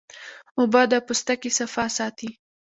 اوبه د پوستکي صفا ساتي